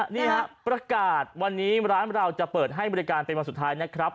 นี่ฮะประกาศวันนี้ร้านเราจะเปิดให้บริการเป็นวันสุดท้ายนะครับ